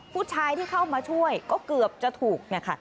ผู้ชายที่เข้ามาช่วยก็เกือบจะถูกเนี่ยค่ะ